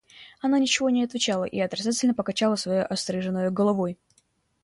Она ничего не отвечала и отрицательно покачала своею остриженною головой.